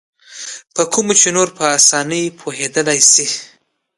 په کومو چې نور په اسانۍ پوهېدلای شي.